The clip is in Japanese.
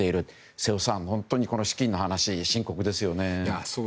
瀬尾さん、本当に資金の話は深刻ですよね。